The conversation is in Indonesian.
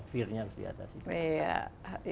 kejadiannya harus diatasi dulu